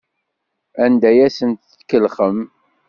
Anda ay asen-tkellxem?